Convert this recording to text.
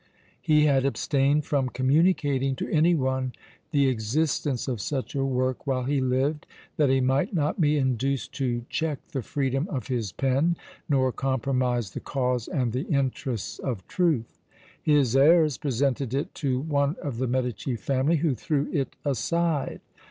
He had abstained from communicating to any one the existence of such a work while he lived, that he might not be induced to check the freedom of his pen, nor compromise the cause and the interests of truth. His heirs presented it to one of the Medici family, who threw it aside.